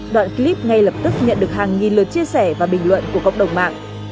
đoạn clip ngay lập tức nhận được hàng nghìn lượt chia sẻ và bình luận của cộng đồng mạng